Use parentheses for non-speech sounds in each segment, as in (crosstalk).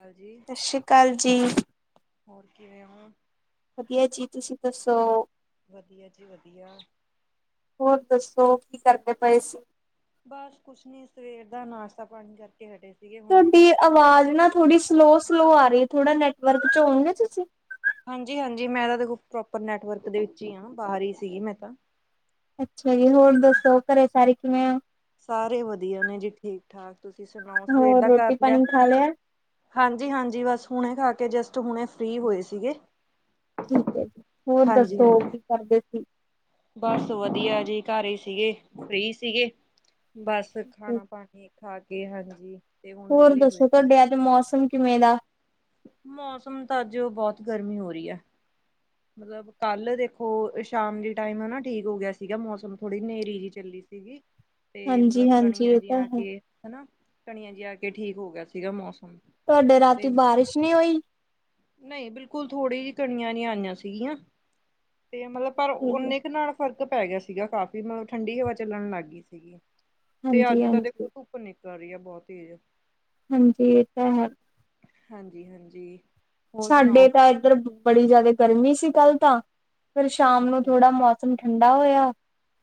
ਹਾਂਜੀ, ਸਤਿ ਸ਼੍ਰੀ ਅਕਾਲ ਜੀ। ਹੋਰ ਕਿਵੇਂ ਓ? ਵਧੀਆ ਜੀ ਤੁਸੀਂ ਦੱਸੋ? ਵਧੀਆ ਜੀ ਵਧੀਆ। ਹੋਰ ਦੱਸੋ ਕੀ ਕਰਦੇ ਪਏ ਸੀ? ਬਸ ਕੁਛ ਨੀ ਸਵੇਰ ਦਾ ਨਾਸ਼ਤਾ-ਪਾਣੀ ਕਰਕੇ ਹਟੇ ਸੀਗੇ ਹੁਣੇ। ਤੁਹਾਡੀ ਅਵਾਜ਼ ਨਾ ਥੋੜੀ ਸਲੋਅ ਸਲੋਅ ਆ ਰੀ ਥੋੜਾ ਨੈਟਵਰਕ ਚ ਹੋਉਂਗੇ ਤੁਸੀਂ? ਹਾਂਜੀ-ਹਾਂਜੀ ਮੈਂ ਤਾਂ ਦੇਖੋ ਪ੍ਰੋਪਰ ਨੈਟਵਰਕ ਦੇ ਵਿੱਚੀ ਆਂ ਬਾਹਰ ਹੀ ਸੀਗੀ ਮੈਂ ਤਾਂ। ਅੱਛਾ ਜੀ ਹੋਰ ਦੱਸੋ ਘਰੇ ਸਾਰੇ ਕਿਵੇਂ ਆ? ਸਾਰੇ ਵਧੀਆ ਨੇ ਜੀ ਠੀਕ ਠਾਕ ਤੁਸੀਂ ਸੁਣਾਓ ਸਵੇਰ ਹੋਰ ਦਾ ਰੋਟੀ ਕਰ ਲਿਆ? ਪਾਣੀ ਖਾ ਹਾਂਜੀ ਹਾਂਜੀ, ਬਸ ਹੁਣੇ ਖਾ ਕੇ ਜਸਟ ਹੁਣੇ ਫ੍ਰਰੀ ਹੋਏ ਸੀਗੇ। ਠੀਕ ਆ ਜੀ ਹੋਰ ਦੱਸੋ ਹਾਂਜੀ-ਹਾਂਜੀ। ਕੀ ਕਰਦੇ ਸੀ। ਬਸ ਵਧੀਆ ਜੀ ਘਰ ਹੀ ਸੀਗੇ ਫ੍ਰਰੀ ਸੀਗੇ ਬਸ ਖਾਣਾ। ਪਾਣੀ ਖਾ ਕੇ ਹਾਂਜੀ। ਤੇ ਹੁਣ ਹੋਰ ਵਿਹਲੇ ਹੋਏ ਦੱਸੋ। ਸੀ। ਤੁਹਾਡੇ ਅੱਜ ਮੌਸਮ ਕਿਵੇਂ ਦਾ? ਮੌਸਮ ਤਾਂ ਅੱਜ ਉਹ ਬਹੁਤ ਗਰਮੀ ਹੋ ਰਹੀ ਐ। ਮਤਲਬ ਕੱਲ ਦੇਖੋ, ਸ਼ਾਮ ਦੀ ਟਾਈਮ ਨਾਂ ਠੀਕ ਹੋ ਗਿਆ ਸੀਗਾ। ਮੌਸਮ ਥੋੜ੍ਹੀ ਨੇਰ੍ਹੀ ਜਿਹੀ ਚੱਲੀ ਸੀਗੀ। ਤੇ ਹਾਂਜੀ ਮਤਲਬ ਹਾਂਜੀ ਕਣੀਆਂ ਇਹ ਜ ਤਾਂ ਆ ਹੈ। ਕੇ ਹਨਾਂ! ਕਨੀਆ ਜਿ ਆ ਕੇ ਠੀਕ ਹੋ ਗਿਆ ਸੀਗਾ ਮੌਸਮ। ਤੁਹਾਡੇ ਰਾਤੀ ਬਾਰਿਸ਼ ਨਹੀਂ ਹੋਈ। ਨਈਂ, ਬਿਲਕੁਲ ਥੋੜ੍ਹੀ ਜਿਹੀ ਕਣੀਆਂ ਜਿ ਆਈਆਂ ਸੀਗੀਆਂ ਤੇ ਮਤਲਬ ਪਰ ਠੀਕ ਹੈ, ਓਨੇ ਕੁ ਨਾਲ ਫ਼ਰਕ ਪੈ ਗਿਆ ਸੀਗਾ। ਕਾਫ਼ੀ ਮਤਲਬ ਠੰਡੀ ਹਵਾ ਚੱਲਣ ਲੱਗ ਗਈ ਸੀਗੀ। ਤੇ ਹਾਂਜੀ ਅੱਜ ਤਦੇ ਹਾਂਜੀ। ਖੁਤ ਉੱਪਰ ਨਿਕਲ ਆ ਰਹੀ ਆ ਬਹੁਤ ਤੇਜ਼। ਹਾਂਜੀ ਇਹ ਤਾਂ ਹੈ। ਹਾਂਜੀ ਹਾਂਜੀ। ਹੋਰ ਸੁਣਾਓ ਸਾਡੇ ਤਾਂ ਇੱਧਰ ਬੜੀ ਜਿਆਦਾ ਗਰਮੀ ਸੀ ਕੱਲ ਤਾਂ, ਫਿਰ ਸ਼ਾਮ ਨੂੰ ਥੋੜ੍ਹਾ ਮੌਸ ਮੌਸਮ ਠੰਡਾ ਹੋਇਆ,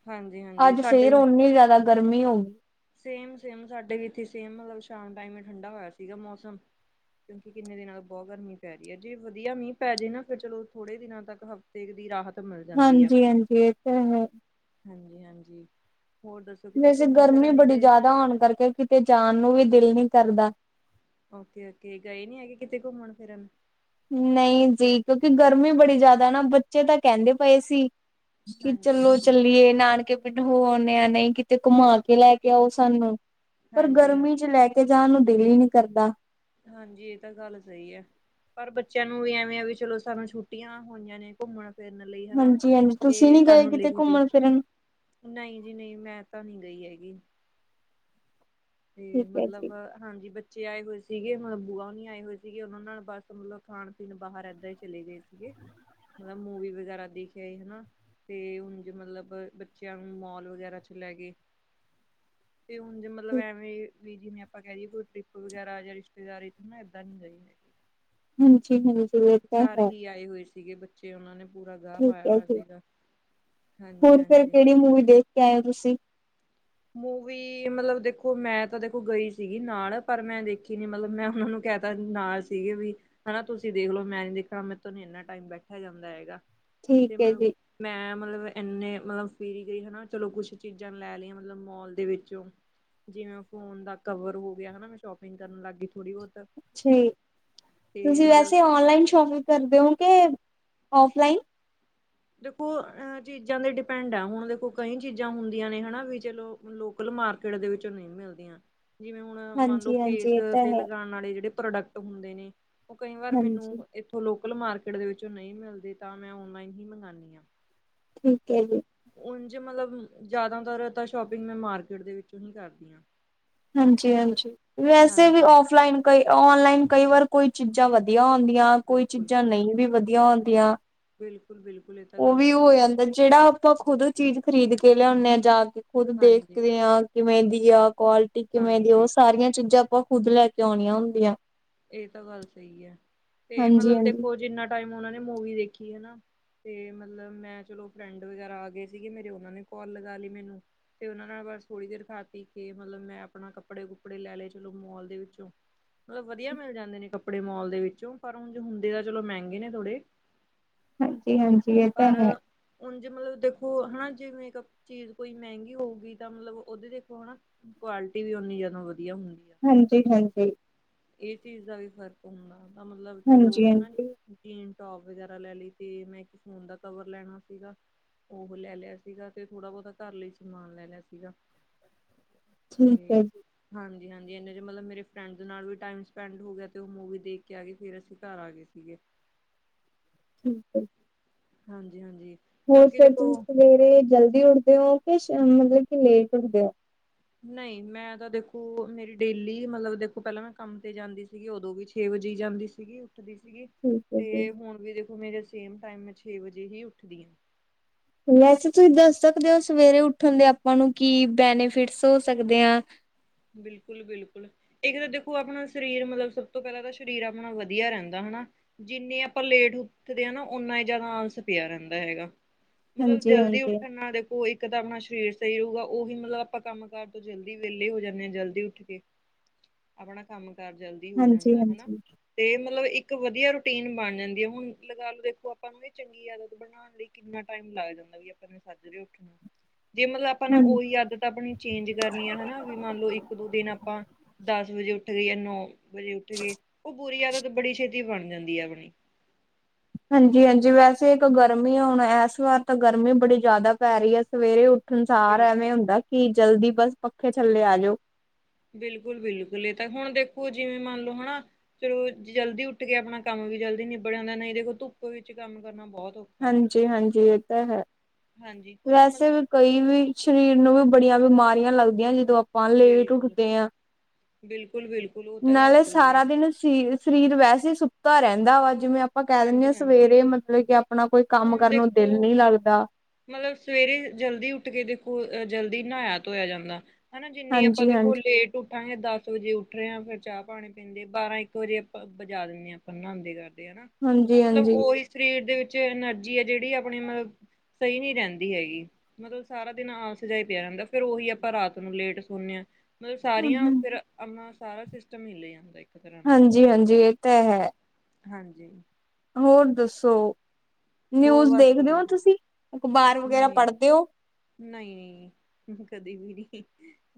ਹਾਂਜੀ ਹਾਂਜੀ ਅੱਜ ਸਾਡੇ ਫੇਰ ਵੀ ਓਨੀ ਜ਼ਿਆਦਾ ਗਰਮੀ ਹੋ ਗਈ। ਸੇਮ, ਸੇਮ ਸਾਡੇ ਵੀ ਇਥੇ ਸੇਮ ਮਤਲਬ ਸ਼ਾਮ ਟਾਈਮ ਠੰਡਾ ਹੋਇਆ ਸੀਗਾ ਮੌਸਮ। ਕਿਉਂਕਿ ਕਿੰਨੇ ਦਿਨਾਂ ਤੋਂ ਬਹੁਤ ਗਰਮੀ ਪੈ ਰਹੀ ਐ, ਜੇ ਵਧੀਆ ਮੀਂਹ ਪੈ ਜਏ ਨਾਂ ਫਿਰ ਚਲੋ ਥੋੜੇ ਦਿਨਾਂ ਤੱਕ ਹਫ਼ਤੇ ਦੀ ਰਾਹਤ ਮਿਲ ਜਾਂਦੀ ਆ। ਹਾਂਜੀ ਹਾਂਜੀ ਇਹ ਤਾਂ ਹੈ। ਹਾਂਜੀ, ਹਾਂਜੀ ਹੋਰ ਦੱਸੋ ਕਿਤੇ ਵੈਸੇ ਘੁੰਮਣ। ਗਰਮੀ ਫਿਰਨ ਨੀ ਬੜੀ ਗਏ? ਜ਼ਿਆਦਾ ਹੋਣ ਕਰਕੇ ਕਿਤੇ ਜਾਣ ਨੂੰ ਵੀ ਦਿਲ ਨ ਕਰਦਾ। ਓਕੇ ਓਕੇ, ਗਏ ਨੀਂ ਹੈਗੇ ਕਿਤੇ ਘੁੰਮਣ ਫਿਰਨ। ਨਈਂ ਜੀ। ਕਿਉਂਕਿ ਗਰਮੀ ਬੜੀ ਜ਼ਿਆਦਾ ਨਾਂ ਬੱਚੇ ਤਾਂ ਕਹਿੰਦੇ ਪਏ ਸੀ। ਕਿ ਹਾਂਜੀ ਚੱਲੋ ਹਾਂਜੀ ਚੱਲੀਏ, ਨਾਨਕੇ ਹੋ ਆਨੇ ਆਂ, ਨਈਂ ਕਿਤੇ ਘੁੰਮਾ ਕੇ ਲੈ ਕੇ ਆਓ ਸਾਨੂੰ ਪਰ ਹਾਂਜੀ ਹਾਂ ਗਰਮੀ ਚ ਲੈ ਕੇ ਤੇ ਜਾਣ ਨੂੰ ਦਿਲ ਈ ਨੀਂ ਕਰਦਾ। ਹਾਂਜੀ ਏ ਤਾਂ ਗੱਲ ਸਈ ਐ। ਪਰ ਬੱਚਿਆਂ ਨੂੰ ਵੀ ਐਵੇਂ ਆ ਵੀ ਚਲੋ ਸਾਨੂੰ ਛੁੱਟੀਆਂ ਹੋਈਆਂ ਨੇਂ। ਘੁੰਮਣ ਫਿਰਨ ਲਈ ਹਨਾ ਹਾਂਜੀ ਹਾਂਜੀ ਤੁਸੀਂ ਤੇ ਨੀ ਗਏ ਸਾਨੂੰ ਕਿਤੇ ਘੁੰਮਣ ਫਿਰਨ (unintelligible) ਨਈਂ ਜੀ ਨਈਂ, ਮੈਂ ਤਾਂ ਨੀਂ ਗਈ ਹੈਗੀ। ਤੇ ਠੀਕ ਹੈ ਮਤਲਬ ਜੀ। ਹਾਂਜੀ ਬੱਚੇ ਆਏ ਹੋਏ ਸੀਗੇ, ਹੁਣ ਮਤਲਬ ਬੂਆ ਹੁਨੀਂ ਆਏ ਹੋਏ ਸੀਗੇ। ਓਨਾਂ ਨਾਲ ਬਸ ਮਤਲਬ ਖਾਣ-ਪੀਣ ਬਾਹਰ ਐਦਾਂ ਹੀ ਚਲੇ ਗਏ। ਕੇ ਮਤਲਬ ਮੂਵੀ ਵਗੈਰਾ ਦੇਖ ਆਏ ਹਨਾਂ। ਤੇ ਉਂਜ ਮਤਲਬ ਬੱਚਿਆਂ ਨੂੰ ਮੋਲ ਵਗੈਰਾ ਚ ਲੈਗੇ ਤੇ (unintelligible) ਮਤਲਬ ਐਵੇਂ ਵੀ ਜਿਵੇਂ ਆਪਾਂ ਕੈ ਦੀਏ ਕੋਈ ਟਰਿਪ ਵਗੈਰਾ ਜਾਂ ਰਿਸ਼ਤੇਦਾਰੀ ਹਨਾਂ ਏਦਾਂ ਨੀਂ ਗਏ। ਹਾਂਜੀ (unintelligible) ਕਿਉਂਕ ਘਰ ਹੈ ਹੀ ਆਏ ਹੋਏ ਸੀਗੇ ਬੱ ਚੇ ਓਨਾਂ ਨੇ ਪੂਰਾ ਗਾ ਠੀਕ ਪਾਇਆ ਹੈ ਹੋਇਆ ਜੀ। ਸੀਗਾ। ਹਾਂਜੀ, ਹੋਰ ਹਾਂਜੀ। (unintelligible) ਮੂਵੀ ਦੇ (unintelligible) ਏ ਤੁਸੀਂ ਮੂਵੀ ਮਤਲਬ ਦੇਖੋ, ਮੈਂ ਤਾਂ ਦੇਖੋ ਗਈ ਸੀਗੀ ਨਾਲ, ਪਰ ਮੈਂ ਦੇਖੀ ਨੀਂ ਮਤਲਬ ਮੈਂ ਉਹਨਾਂ ਨੂੰ ਕਹਿ ਤ (unintelligible) ਨਾਲ ਸੀਗੇ ਵੀ ਹਨਾ ਤੁਸੀਂ ਦੇਖਲੋ ਮੈਂ ਨੀ ਦੇਖਣਾ ਮੈਂਤੋਂ ਨੀ ਇੰਨਾ ਟਾਈਮ ਬੈਠਾ ਜਾਂਦਾ ਹੈਗਾ। ਠੀਕ ਤੇ ਹੈ ਮਤਲਬ ਜੀ, ਮੈਂ ਮਤਲਬ ਐਨੇ ਮਤਲਬ ਫੀਰੀ ਗਈ ਹਨਾਂ ਚਲੋ ਕੁੱਛ ਚੀਜ਼ਾਂ ਲੈ ਲੀਆਂ। ਮਤਲਬ ਮੋਲ ਦੇ ਵਿੱਚੋਂ ਜਿਵੇਂ ਫੋਨ ਦਾ ਕਵਰ ਹੋ ਗਿਆ ਹਨਾਂ, ਮੈਂ ਸ਼ੋਪਿੰਗ ਕਰਨ ਲਾਗੀ ਥੋੜੀ ਬੋ ਅੱਛਾ ਜੀ। ਤੁਸੀਂ ਮਤਲਬ ਵੈਸੇ ਔਨਲਾਈਨ ਸ਼ੋਪਿੰਗ ਕਰਦੇਔਂ ਕੇ ਔਫਲਾਈਨ। ਦੇਖੋ ਅ ਚੀਜ਼ਾਂ ਤੇ ਡਿਪੈਂਡ ਆ, ਹੁਣ ਦੇਖੋ ਕਈ ਚੀਜ਼ਾਂ ਹੁੰਦੀਆਂ ਨੇ ਹਨਾਂ ਵੀ ਚਲੋ ਲੋਕਲ ਮਾਰਕੀਟ ਦੇ ਵਿੱਚ ਨਈਂ ਮਿਲਦੀਆਂ। ਜਿਵੇਂ ਹੁਣ ਮੰਨ ਲਓ ਫੇਸ ਹਾਂਜੀ-ਹਾਂਜੀ ਇਹ ਤਾਂ ਤੇ ਹੈ, ਲਗਾਣ ਵਾਲੇ ਜਿਹੜੇ ਪ੍ਰੋਡਕਟ ਹੁੰਦੇ ਨੇਂ। ਉਹ ਕਈ ਵਾਰ ਮੈਨੂੰ ਹਾਂਜੀ ਇਥੋਂ ਲੋਕਲ ਮਾਰਕੀਟ ਦੇ ਵਿੱਚੋਂ ਨਈਂ ਮਿਲਦੇ ਤਾਂ ਮੈਂ ਓਨਲਾਈਨ ਹੀ ਮੰਗਆਣੀ ਆਂ। ਠੀਕ ਐ ਜੀ। ਉਝ ਮਤਲਬ ਜਾਦਾਤਰ ਤਾਂ ਸ਼ੋਪਿੰਗ ਮੈਂ ਮਾਰਕੀਟ ਦੇ ਵਿੱਚੋਂ ਹੀ ਕਰਦੀ ਆਂ। ਹਾਂਜੀ, ਹਾਂਜੀ ਵੈਸੇ ਵੀ ਹਾਂਜੀ ਓਫਲਾਈਨ ਕਈ ਔਨਲਾਈਨ ਕਈ ਵਾਰ ਕੋਈ ਚੀਜ਼ਾਂ ਵਧੀਆ ਆਂਦੀਆਂ ਕੋਈ ਬਿਲਕੁਲ, ਚੀਜ਼ਾਂ ਨਹੀਂ ਵੀ ਵਧੀਆ ਹੁੰਦੀਆਂ। ਬਿਲਕੁੱਲ-ਬਿਲਕੁੱਲ ਓ ਵੀ ਹੋ ਜਾਂਦੈ ਜੇੜਾ ਆਪਾਂ ਖੁਦ ਚੀਜ਼ ਖਰੀਦ ਕੇ ਲੇਓਣੇ ਆ ਜਾ ਕੇ ਖੁਦ ਹਾਂਜੀ, ਦੇਖਦੇ ਆ ਕਿਵੇਂ ਦੀ ਆ ਕੁਆਲਿਟੀ ਕਿਵੇਂ ਦੀ ਓ ਹਾਂਜੀ। ਸਾਰੀਆਂ ਚੀਜ਼ਾਂ ਆਪਾਂ ਖੁਦ ਲੈ ਕੇ ਔਣੀਆਂ ਹੁੰਦੀਆ। ਏ ਤਾਂ ਗੱਲ ਸਈ ਐ ਤੇ ਮਤਲਬ ਹਾਂਜੀ-ਹਾਂਜੀ, ਦੇਖੋ, ਜਿੰਨਾ ਟਾਈਮ ਓਨਾਂ ਨੇ ਮੂਵੀ ਦੇਖੀ ਐ ਨਾ ਤੇ ਮਤਲਬ ਮੈਂ ਚਲੋ ਫਰੈਂਡ ਵਗੈਰਾ ਆਗੇ ਸੀਗੇ, ਮੇਰੇ ਓਨਾਂ ਨੇ ਕੋਂਲ ਲਗਾ ਲੀ ਮੈਨੂੰ। ਤੇ ਓਨਾਂ ਨਾਲ ਬਸ ਥੋੜੀ ਦੇਰ ਖਾ ਪੀ ਕੇ ਮਤਲਬ, ਮੈਂ ਆਪਣਾ ਕੱਪੜੇ ਕੁਪੜੇ ਲੈ ਲਏ ਚਲੋ ਮੋਲ ਦੇ ਵਿੱਚੋਂ। ਮਤਲਬ ਵਧੀਆ ਮਿਲ ਜਾਂਦੇ ਨੇ ਕੱਪੜੇ ਮੋਲ ਦੇ ਵਿੱਚੋਂ ਪਰ ਉਂਝ ਹੁੰਦੇ ਤਾਂ ਚਲੋ ਮੈਂਗੇ ਨੇ ਥੋੜੇ। ਹਾਂਜੀ-ਹਾਂਜੀ ਏ ਤਾਂ ਹੈ। ਉਂਜ ਮਤਲਬ ਦੇਖੋ ਹਨਾ, ਜੀਵੇਂ ਚੀਜ਼ ਕੋਈ ਮੈਂਗੀ ਹੋਊਗੀ ਤਾਂ ਮਤਲਬ ਲਦੇ ਦੇਖੋ ਹਨਾ ਕੁਆਲਿਟੀ ਵੀ ਓਨੀ ਜਾਦਾ ਵਧੀਆ ਹੁੰਦੀ ਆ। ਹਾਂਜੀ-ਹਾਂਜੀ, ਏ ਚੀਜ਼ ਦਾ ਵੀ ਫ਼ਰਕ ਹੁੰਦਾ ਤਾਂ ਮਤਲਬ ਚਲੋ (unintelligible) ਹਾਂਜੀ-ਹਾਂਜੀ ਜੀਨ ਟੋਪ ਵਗੈਰਾ ਲੈਲੀ, ਤੇ ਮੈਂ ਇੱਕ ਫੋਨ ਦਾ ਕਵਰ ਲੈਣਾ ਸੀਗਾ। ਓਹ ਲੈ ਲਿਆ ਸੀਗਾ, ਤੇ ਥੋੜ੍ਹਾ ਬੋਤਾ ਘਰ ਲਈ ਸਮਾਨ ਲੈ ਲਿਆ ਸੀਗਾ। ਠੀਕ ਤੇ ਹੈ ਜੀ ਹਾਂਜੀ-ਹਾਂਜੀ, ਐਨੇ ਚ ਮਤਲਬ ਮੇਰੇ ਫਰੈਂਡਸ ਦੇ ਨਾਲ ਵੀ ਟਾਈਮ ਸਪੈਂਡ ਹੋ ਗਿਆ, ਤੇ ਓਹ ਮੂਵੀ ਦੇਖ ਕੇ ਆਗੇ ਫੇਰ ਅਸੀਂ ਘਰ ਆਗੇ ਸੀਗੇ। ਠੀਕ ਐ। ਹਾਂਜੀ-ਹਾਂਜੀ, ਹੋਰ ਫਿਰ ਤੁਸੀਂ ਸਵੇਰੇ ਜਲਦੀ ਉੱਠਦੇ ਓ ਕੀ ਸ਼ ਮਤਲਬ ਕੀ ਲੇਟ ਉੱਠਦੇ ਓ? ਨਈ ਮੈਂ ਤਾਂ ਦੇਖੋ, ਮੇਰੀ ਡੇਲੀ ਮਤਲਬ ਦੇਖੋ ਪੈਲਾਂ ਮੈਂ ਕੰਮ ਤੇ ਜਾਂਦੀ ਸੀਗੀ, ਓਦੋਂ ਵੀ ਛੇ ਵਜੇ ਜਾਂਦੀ ਸੀ। ਸੀਗੀ ਉੱਠਦੀ ਸੀਗੀ, ਠੀਕ ਹੈ ਤੇ ਜੀ। ਹੁਣ ਵੀ ਦੇਖੋ ਮੇਰੇ ਸੇਮ ਟਾਈਮ ਮੈਂ ਛੇ ਵਜੇ ਹੀ ਉੱਠਦੀ ਹਾਂ। ਵੈਸੇ ਤੁਸੀਂ ਦੱਸ ਸਕਦੇ ਓ ਸਵੇਰੇ ਉੱਠਣ ਦੇ ਆਪਾਂ ਨੂੰ ਕੀ ਬੈਨੀਫਿਟਸ ਹੋ ਸਕਦੇ ਆ? ਬਿਲਕੁਲ, ਬਿਲਕੁਲ। ਇੱਕ ਤਾਂ ਦੇਖੋ, ਆਪਣਾ ਸਰੀਰ ਮਤਲਬ ਸਭ ਤੋਂ ਪਹਿਲਾਂ ਤਾਂ ਸਰੀਰ ਆਪਣਾ ਵਧੀਆ ਰਹਿੰਦਾ ਹਨਾ। ਜਿੰਨੀ ਆਪਾਂ ਲੇਟ ਉਠਦੇ ਹਾਂ ਨਾ ਓਨਾ ਹੀ ਜ਼ਿਆਦਾ ਆਲਸ ਪਿਆ ਰਹਿੰਦਾ ਹੈਗਾ। ਮਤਲਬ ਜਲਦੀ ਹਾਂਜੀ-ਹਾਂਜੀ, ਉੱਠਣ ਨਾਲ ਉਹ ਇੱਕ ਤਾਂ ਆਪਣਾ ਸਰੀਰ ਸਹੀ ਰਹੇਗਾ, ਉਹੀ ਮਤਲਬ ਆਪਾਂ ਕੰਮ ਕਾਰ ਤੋਂ ਜਲਦੀ ਵਿਹਲੇ ਹੋ ਜਾ। ਜਲਦੀ ਉੱਠ ਕੇ ਆਪਣਾ ਕੰਮ ਕਾਰ ਜਲਦੀ ਹੋ ਜਾਂਦਾ ਹਨਾ। ਹਾਂਜੀ-ਹਾਂਜੀ, ਤੇ ਮਤਲਬ ਇੱਕ ਵਧੀਆ ਰੂਟੀਨ ਬਣ ਜਾਂਦੀ ਹੈ, ਹੁਣ ਲਗਾ ਲੋ ਦੇਖੋ ਆਪਾਂ ਨੂੰ ਇਹ ਚੰਗੀ ਆਦਤ ਬਣਾ ਕਿੰਨਾ ਟਾਈਮ ਲੱਗ ਜਾਂਦਾ, ਵੀ ਆਪਾਂ ਨੇ ਸੱਜ ਉੱਠਣਾ ਜੇ ਮਤਲਬ ਆਪ ਆਪਾਂ ਨੇ ਹਾਂਜੀ। ਉਹੀ ਆਦਤ ਆਪਣੀ ਚੇਂਜ ਕਰਨੀ ਆ ਹਨਾ ਵੀ ਮੰਨ ਲਓ ਇੱਕ ਦੋ ਦਿਨ ਆਪਾਂ ਦਸ ਵਜੇ ਉੱਠ ਗਏ, ਜਾਂ ਨੌ ਵਜੇ ਉੱਠ ਗਏ ਉਹ ਬੁਰੀ ਆਦਤ ਬੜੀ ਛੇਤੀ ਬਣ ਜਾਂਦੀ ਆ ਆਪਣੀ ਹਾਂਜੀ, ਹਾਂਜੀ ਵੈਸੇ ਇੱਕ ਗਰਮੀ ਹੁਣ ਇਸ ਵਾਰ ਤਾਂ ਗਰਮੀ ਬੜੀ ਜ਼ਿਆਦਾ ਪੈ ਰਹੀ ਹੈ ਸਵੇਰੇ ਉੱਠ ਸੰਸਾਰ ਬਿਲ ਐਵੇਂ ਹੁੰਦਾ, ਕਿ ਜਲਦੀ ਬਸ ਪੱਖੇ ਥੱਲੇ ਆ ਜਾਓ। ਬਿਲਕੁਲ, ਬਿਲਕੁਲ ਇਹ ਤਾਂ ਹੁਣ ਦੇਖੋ ਜਿਵੇਂ ਮੰਨ ਲਓ ਹਨਾ। ਚਲੋ ਜਲਦੀ ਉੱਠ ਕੇ ਆਪਣਾ ਕੰਮ ਵੀ ਜਲਦੀ ਨਿਬੜ ਜਾਂਦਾ, ਨਹੀਂ ਦੇਖੋ ਧੁੱਪ ਵਿੱਚ ਕੰਮ ਕਰਨਾ ਬਹੁਤ ਔਖ ਹਾਂਜੀ, ਹਾਂਜੀ ਇਹ ਤਾਂ ਹੈ ਹਾਂਜੀ ਕੁਛ ਵੈਸੇ ਮਤਲਬ ਕਈ ਵੀ ਸਰੀਰ ਨੂੰ ਵੀ ਬੜੀਆਂ ਬਿਮਾਰੀਆਂ ਲੱਗਦੀਆਂ ਜਦੋਂ ਆਪਾਂ ਲੇਟ ਬਿਲਕੁਲ ਉੱਠਦੇ ਹਾਂ ਬਿਲਕੁਲ ਬਿਲਕੁਲ ਉਹ ਤਾਂ ਗੱਲ ਨਾਲੇ ਸਹੀ ਹੈ ਸਾਰਾ ਦਿਨ ਸਰੀ ਸਰੀਰ ਵੈਸੇ ਸੁੱਤਾ ਰੈਂਦਾ ਵਾ, ਜਿਵੇਂ ਆਪਾਂ ਕੈ ਦਿੰਨੇ ਆ ਹਾਂਜੀ ਹਾਂਜੀ ਸਵੇਰੇ ਮਤਲਬ ਕੀ ਆ ਆਪਣਾ ਕੋਈ ਕੰਮ ਹੁਣ ਕਰਨ ਨੂੰ ਦਿਲ ਦੇਖੋ ਨੀ ਲੱਗਦਾ। ਮਤਲਬ ਸਵੇਰੇ ਜਲਦੀ ਉੱਠ ਕੇ ਦੇਖੋ, ਅਹ ਜਲਦੀ ਨਹਾਇਆ ਧੋਇਆ ਜਾਂਦਾ। ਹਨਾ ਜਿੰਨੀ ਆਪਾਂ ਹਾਂਜੀ ਦੇਖੋ ਹਾਂਜੀ ਲੇ ਉੱਠਾਂਗੇ ਦਸ ਵਜੇ ਉੱਠ ਰੇ ਆ, ਫਿਰ ਚਾਹ ਪਾਣੀ ਪੀਦੇ ਬਾਰਾਂ ਇੱਕ ਵਜੇ ਆਪਾਂ ਵਜਾ ਦਨੇ ਆਪਾਂ ਨਾਂਦੇ ਕਰਦੇ ਹਨਾ। ਤਾਂ ਹਾਂਜੀ ਮਤਲਬ ਹਾਂਜੀ ਉਹੀ ਸਰੀਰ ਦੇ ਵਿੱਚ ਐਨਰਜੀ ਹੈ, ਜਿਹੜੀ ਆਪਣੀ ਮਤਲਬ ਸਹੀ ਨਹੀਂ ਰਹਿੰਦੀ ਹੈਗੀ। ਮਤਲਬ ਸਾਰਾ ਦਿਨ ਆਲਸ ਜਿਹਾ ਪਿਆ ਰਿਹਦਾ, ਫੇਰ ਉਹੀ ਆਪਾਂ ਰਾਤ ਨੂੰ ਲੇਟ ਸੌਦੇ ਹਾਂ। ਮਤਲਬ ਸਾਰੀਆਂ ਫਿਰ ਅ ਸਾਰਾ ਸਿਸਟਮ ਮਿਲੀਆ ਜਾਂਦਾ। ਤਰ੍ਹਾਂ ਨਾਲ ਹਾਂਜੀ, ਹਾਂਜੀ ਇਹ ਤਾਂ ਹੈ। ਹਾਂਜੀ। ਹੋਰ ਦੱਸੋ? ਹੋਰ ਨਿਊਜ਼ ਬਸ ਦੇਖਦੇ ਵਧੀਆ ਹੋਂ ਤੁਸੀਂ, ਅਖ਼ਬਾਰ ਵਗੈਰਾ ਪੜ੍ਹਦੇ ਹੋ? ਨਹੀਂ-ਨਹੀਂ ਕਦੀ ਵੀ ਨਹੀਂ।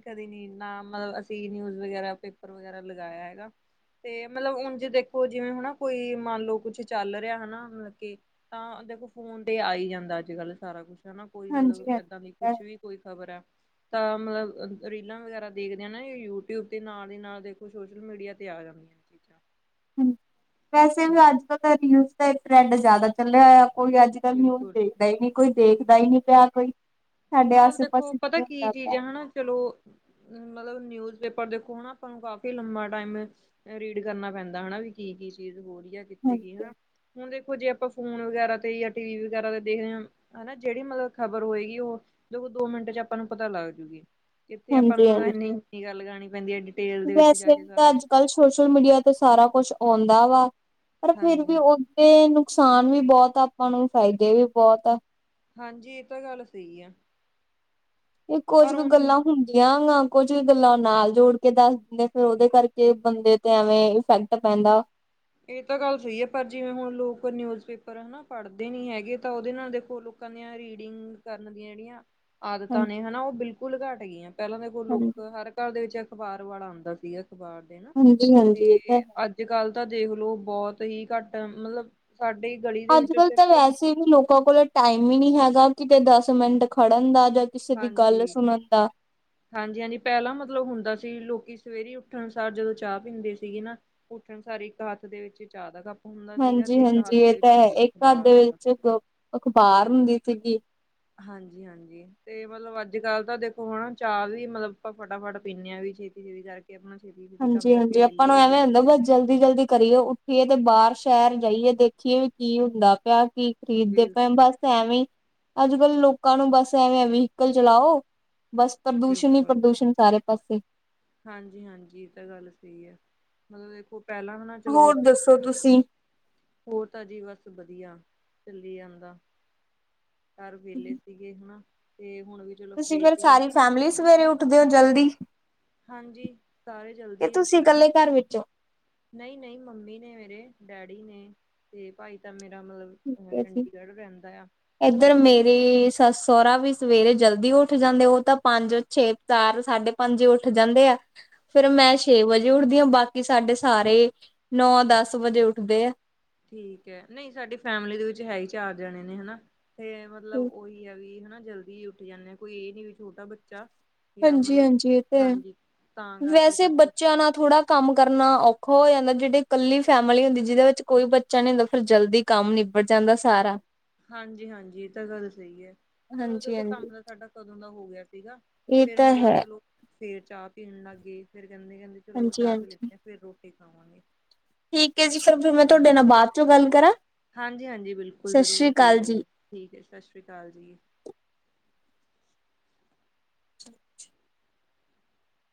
ਕਦੀ ਨੀ ਨਾਂ, ਮਲਬ, ਅਸੀਂ ਨਿਊਜ਼ ਵਗੈਰਾ ਪੇਪਰ ਵਗੈਰਾ ਲਗਾਇਆ ਹੈਗਾ। ਤੇ ਮਤਲਬ, ਉਂਜ ਦੇਖੋ ਜਿਵੇਂ ਹਨਾ ਕੋਈ, ਮੰਨ ਲਓ ਕੁੱਛ ਚੱਲ ਰਿਹਾ, ਹਨਾ ਮਤਲਬ ਕੇ ਤਾਂ, ਦੇਖੋ ਫੋਨ ਤੇ ਆਈ ਜਾਂਦਾ ਅੱਜ-ਕੱਲ ਸਾਰਾ ਕੁਛ ਹਨਾ, ਕੋਈ ਮਤਲਬ ਹਾਂਜੀ ਇੱਦਾਂ ਵੀ, ਕੁਛ ਹਾਂਜੀ ਵੀ ਕੋਈ ਖ਼ਬਰ ਆ ਤਾਂ, ਮਤਲਬ ਰੀਲਾਂ ਵਗੈਰਾ ਦੇਖਦੇ ਆ ਨਾ ਯੂਟਿਊਬ ਤੇ ਨਾਲ ਦੀ ਨਾਲ, ਦੇਖੋ ਸੋਸ਼ਲ ਮੀਡੀਆ ਤੇ ਆ ਹਾਂ (unintelligible) ਵੈਸੇ ਵੀ ਅੱਜ-ਕੱਲ ਤਾਂ ਰੀਲਜ਼ ਦਾ ਟਰੈਡ ਜਿਆਦਾ ਚੱਲਿਆ ਹੋਇਆ। ਕੋਈ ਅੱਜ-ਕੱਲ ਨਿਊਜ਼ ਬਿਲਕੁਲ ਦੇਖਦਾ ਹੀ ਨਹੀਂ, ਕੋਈ ਦੇਖਦਾ ਹੀ ਨਹੀਂ ਪਿਆ, ਕੋਈ ਸਾਡੇ ਮਤਲਬ ਆਸੇ ਦੇਖੋ, ਪਾਸੇ ਪਤਾ ਕੀ ਹੁੰਦਾ ਪਿਆ ਚੀਜ਼ ਹੈ ਹਣਾ, ਚਲੋ ਮਤਲਬ, ਨਿਊਜ਼ ਪੇਪਰ ਦੇਖੋ ਹਣਾ, ਆਪਾਂ ਨੂੰ ਕਾਫੀ ਲੰਬਾ ਟਾਈਮ ਰੀਡ ਕਰਨਾ ਪੈਂਦਾ ਹਨਾ ਵੀ, ਕੀ-ਕੀ ਚੀਜ਼ ਹੋ ਰਹੀ ਆ, ਕਿੱਥੇ ਕੀ ਹਾਂਜੀ ਹਣਾ ਹੁਣ ਦੇਖੋ ਜੇ ਆਪਾਂ ਫੋਨ ਵਗੈਰਾ ਤੇ, ਜਾਂ ਟੀਵੀ ਵਗੈਰਾ ਤੇ ਦੇਖਦੇ ਹਾਂ ਹਣਾ, ਜਿਹੜੀ ਮਤਲਬ ਖਬਰ ਹੋਏਗੀ, ਉਹ ਦੇਖੋ, ਦੋ-ਮਿੰਟ'ਚ ਆਪਾਂ ਨੂੰ ਪਤਾ ਲੱਗ ਜੁਗੀ, ਕਿੱਥੇ ਆਪਾਂ ਨੂੰ ਹਾਂਜੀ ਮਤਲਬ ਹਾਂਜੀ ਇੰਨੀ ਨੀਂਗਾ ਲਗਾਣੀ ਪੈਂਦੀ ਹੈ ਐ ਵੈਸੇ ਵੀ ਤਾਂ, ਅੱਜ-ਕੱਲ ਸੋਸ਼ਲ ਮੀਡੀਆ ਤੇ ਸਾਰਾ ਕੁਛ ਆਉਂਦਾ ਵਾ, ਪਰ ਫਿਰ ਹਾਂਜੀ ਵੀ ਹਾਂ ਉਹ ਤੇ ਨੁਕਸਾਨ ਵੀ ਬਹੁਤ ਆ, ਆਪਾਂ ਨੂੰ ਫਾਇਦੇ ਵੀ ਬਹੁਤ ਆ। ਹਾਂਜੀ, ਇਹ ਤਾਂ ਗੱਲ ਸਹੀ ਆ। ਇਹ ਕੁਝ ਪਰ ਕੁ ਹੁਣ ਗੱਲਾਂ, ਹੁੰਦੀਆਂ ਗਾ ਕੁੱਝ ਕ ਗੱਲਾਂ ਨਾਲ ਜੋੜਕੇ ਦੱਸ ਦਿੰਦੇ ਫਿਰ ਉਹਦੇ ਕਰਕੇ, ਬੰਦੇ ਤੇ ਐਵੇਂ ਇਫੈਕਟ ਪੈਂਦਾ। ਇਹ ਤਾਂ ਗੱਲ ਸਹੀ ਆ, ਪਰ ਜਿਵੇਂ ਹੁਣ ਲੋਕ ਨਿਊਜ਼ ਪੇਪਰ ਹਨਾ ਪੜ੍ਹਦੇ ਨੀ ਹੈਗੇ, ਤਾਂ ਉਹਦੇ ਨਾਲ ਦੇਖੋ ਲੋਕਾਂ ਦੀਆ ਰੀਡਿੰਗ ਕਰਨ ਦੀਆਂ, ਜਿਹੜੀਆਂ ਆਦਤਾਂ ਹਾਂਜੀ ਨੇ, ਹਨਾ, ਉਹ ਬਿਲਕੁਲ ਘੱਟ ਗਈਆਂ। ਪਹਿਲਾਂ ਦੇਖੋ ਹਾਂਜੀ ਲੋਕ ਹਰ ਘਰ ਦੇ ਵਿੱਚ ਅਖ਼ਬਾਰ ਵਾਲਾ ਆਉਂਦਾ ਸੀ, ਅਖ਼ਬਾਰ ਦੇਣ ਨਾ, ਹਾਂਜੀ ਹਾਂਜੀ ਤੇ ਇਹ ਤਾਂ ਹੈ ਅੱਜ ਅੱਜ-ਕੱਲ ਤਾਂ ਦੇਖਲੋ, ਬਹੁਤ ਹੀ ਘੱਟ ਮਤਲਬ ਸਾਡੀ ਗਲੀ ਦੇ ਵਿੱਚ ਅੱਜਕੱਲ ਤਾਂ ਸਿਰਫ ਵੈਸੇ ਵੀ ਲੋਕਾਂ ਕੋਲ ਟਾਈਮ ਈ ਨੀ ਹੈਗਾ। ਕਿਤੇ ਦਸ ਮਿੰਟ ਖੜਨ ਦਾ ਜਾ ਹਾਂਜੀ। ਹਾਂਜੀ-ਹਾਂਜੀ, ਪਹਿਲਾ ਮਤਲਬ ਹੁੰਦਾ ਸੀ, ਕਿ ਲੋਕ ਸਵੇਰੇ ਉੱਠਣਸਾਰ ਜਦੋਂ ਚਾਹ ਪੀਂਦੇ ਸੀਗੇ ਨਾ ਉੱਠਣ ਸਾਰ ਹੀ, ਇੱਕ ਹੱਥ ਵਿੱਚ ਚਾਹ ਦਾ ਕੱਪ ਹੁੰਦਾ ਸੀਗਾ ਤੇ ਇੱਕ ਹੱਥ ਹਾਂਜੀ-ਹਾਂਜੀ, ਇਹ ਦੇ ਤਾ ਵਿੱਚ ਹੈ, ਇੱਕ ਹੱਥ ਅਖ਼ਬਾਰ ਦੇ ਹੁੰਦਾ ਵਿੱਚ ਅਖ਼ਬਾਰ ਹੁੰਦੀ ਸੀਗੀ ਹਾਂਜੀ-ਹਾਂਜੀ। ਤੇ ਮਤਲਬ ਅੱਜ-ਕੱਲ ਤਾਂ ਦੇਖੋ ਹਾਂ, ਚਾਹ ਵੀ ਆਪਾਂ ਫਟਾਫਟ ਪੀਂਨੇ ਹਾਂ, ਛੇਤੀ-ਛੇਤੀ ਕਰਕੇ। ਤੇ ਆਪਣਾ ਛੇਤੀ-ਛੇਤੀ ਕੰਮ ਕਰਕੇ, ਹਾਂਜੀ-ਹਾਂਜੀ ਆਪਾਂ ਵਿਹਲੇ ਨੂੰ ਹੋਈਏ। ਐਵੇਂ ਹੁੰਦਾ ਬਸ ਜਲਦੀ-ਜਲਦੀ ਕਰੀਏ, ਉੱਠੀਏ ਤੇ ਬਾਹਰ ਸ਼ਹਿਰ ਜਾਈਏ ਦੇਖੀਏ ਵੀ ਕੀ ਹੁੰਦਾ ਪਿਆ, ਕਿ ਖਰੀਦਦੇ ਪਏ ਬਸ ਬਿਲਕੁਲ-ਬਿਲਕੁਲ। ਐਵੇਂ ਹੀ, ਅੱਜਕੱਲ ਲੋਕਾਂ ਨੂੰ ਬਸ ਐਂਵੇ ਆ ਵ੍ਹੀਕਲ ਚਲਾਓ, ਬਸ ਪ੍ਰਦੂਸ਼ਣ ਹੀ, ਪ੍ਰਦੂਸ਼ਣ ਸਾਰੇ ਪਾਸੇ। ਹਾਂਜੀ-ਹਾਂਜੀ, ਇਹ ਤਾਂ ਗੱਲ ਸਹੀ ਹੈ, ਮਤਲਬ ਦੇਖੋ, ਪਹਿਲਾਂ ਹਨਾ ਚਲੋ ਹੋਰ ਦੱਸੋ ਤੁਸੀਂ? ਹੋਰ ਤਾਂ ਜੀ, ਬਸ ਵਧੀਆ। ਚੱਲੀ ਜਾਂਦਾ, ਹਰ ਵੇਲੇ ਸੀਗੇ ਹਣਾ, ਤੇ ਹੁਣ ਵੀ ਚਲੋ ਤੁਸੀਂ ਫ੍ਰੀ ਫਿਰ ਸੀਗੇ ਸਾਰੀ ਫੈਮਿਲੀ ਸਵੇਰੇ ਉੱਠਦੇ ਹੋ, ਜਲਦੀ? ਹਾਂਜੀ। ਸਾਰੇ ਕਿ ਜਲਦੀ ਹੀ ਤੁਸੀਂ ਉਠਦੇ ਆਂ। ਇਕੱਲੇ ਘਰ ਵਿੱਚੋਂ? ਨਹੀਂ-ਨਹੀਂ ਮੰਮੀ ਨੇ ਮੇਰੇ, ਡੈਡੀ ਨੇ, ਤੇ ਭਾਈ ਤਾ ਮੇਰਾ ਮਤਲਬ ਠੀਕ ਅ ਹੈ ਚੰਡੀਗੜ੍ਹ ਰਹਿੰਦਾ ਯਾਂ, ਤੇ ਤੇ ਸੱਸ-ਸਹੁਰਾ ਵੀ ਸਵੇਰੇ ਜਲਦੀ ਉੱਠ ਜਾਂਦੇ, ਉਹ ਤਾਂ ਪੰਜ, ਛੇ, ਚਾਰ ਸਾਢੇ ਪੰਜ ਉੱਠ ਜਾਂਦੇ ਆ। ਫਿਰ ਮੈਂ ਛੇ ਵਜੇ ਉੱਠਦੀ ਹਾਂ ਬਾਕੀ ਸਾਡੇ ਸਾਰੇ ਨੌਂ ਦਸ ਵਜੇ ਉੱਠਦੇ ਐ। ਠੀਕ ਹੈ, ਨਹੀਂ, ਸਾਡੀ ਫੈਮਲੀ ਵਿੱਚ ਤਾਂ ਸਿਰਫ਼ ਚਾਰ ਜਣੇ ਹੀ ਹਨਾ। ਤੇ ਮਤਲਬ ਉਹੀ ਐ ਵੀ ਹਨਾ ਜਲਦੀ ਉੱਠ ਜਾਂਦੇ ਆ ਕੋਈ ਇਹ ਨੀ ਵੀ ਛੋਟਾ ਬੱਚਾ ਜਾਂ ਹਾਂਜੀ ਮਤਲਬ ਹਾਂਜੀ, ਇਹ ਤੇ ਹਾਂਜੀ ਤਾਂ ਕਰਕੇ ਵੈਸੇ ਬਸ ਬੱਚਿਆਂ ਨਾਲ ਥੋੜਾ। ਕੰਮ ਕਰਨਾ ਔਖਾ ਹੋ ਜਾਂਦਾ। ਜਿਹੜੇ ਇਕੱਲੇ ਪਰਿਵਾਰ ਹੁੰਦੇ ਹਨ, ਜਿਨ੍ਹਾਂ ਵਿੱਚ ਕੋਈ ਬੱਚਾ ਨਹੀਂ ਹੁੰਦਾ, ਉਹ ਫਿਰ ਜਲਦੀ, ਕੰਮ ਨਿਬੜ ਜਾਂਦਾ ਸਾਰਾ। ਹਾਂਜੀ ਹਾਂਜੀ, ਇਹ ਤਾਂ ਗੱਲ ਸਹੀ ਐ। ਹੁਣ ਹਾਂਜੀ ਦੇਖੋ, ਸਾਡਾ ਹਾਂਜੀ ਕੰਮ ਤਾਂ ਕਦੋਂ ਦਾ ਹੀ ਹੋ ਗਿਆ ਸੀ। ਇਹ ਫੇਰ ਤਾਂ ਮਤਲਬ ਹੈ ਚਲੋ ਫੇਰ ਚਾਹ ਪੀਣ ਲੱਗ ਗਏ। ਫਿਰ ਕਹਿੰਦੇ, ਚਲੋ ਪਹਿਲਾਂ ਹਾਂਜੀ ਚਾਹ ਪੀ ਹਾਂਜੀ ਲਈਏ, ਫਿਰ ਰੋਟੀ ਖਾਵਾਂਗੇ। ਠੀਕ ਐ ਜੀ। ਮੈਂ ਤੁਹਾਡੇ ਹਾਂਜੀ ਨਾਲ ਬਾਅਦ ਚੋਂ ਗੱਲ ਕਰਾਂ ਹਾਂਜੀ, ਹਾਂਜੀ ਬਿਲਕੁਲ ਸਤਿ ਜਦੋਂ ਵੀ ਸ੍ਰੀ ਫਰੀ ਅਕਾਲ ਜੀ ਹੋਏ ਠੀਕ ਐ ਸਤਿ ਸ਼੍ਰੀ ਅਕਾਲ ਜੀ। (inaudible)